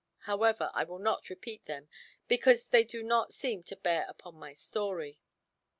However, I will not repeat them, because they do not seem to bear upon my story.